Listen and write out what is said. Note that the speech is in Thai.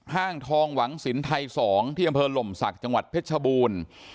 ห้างทองหวังสินไทย๒ที่อำเภอหล่มศักดิ์จังหวัดเพชรชบูรณ์